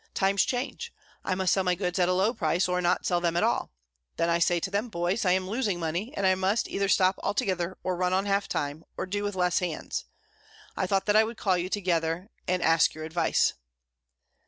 Times change. I must sell my goods at a low price, or not sell them at all. Then I say to them, 'Boys, I am losing money, and I must either stop altogether or run on half time, or do with less hands. I thought I would call you together and ask your advice.'